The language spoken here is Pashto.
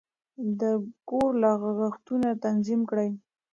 د کور لګښتونه تنظیم کړئ.